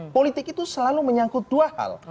politik itu selalu menyangkut dua hal